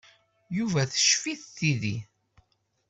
Yuba teccef-it tidi.